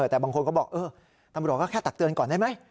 แต่บางคนก็บอกตำรวจก็แค่ตักเตือนก่อนได้ไหม